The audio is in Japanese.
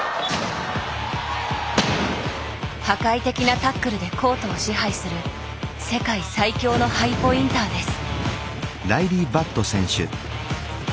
破壊的なタックルでコートを支配する世界最強のハイポインターです。